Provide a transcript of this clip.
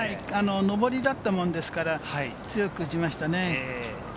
上りだったものですから、強く打ちましたね。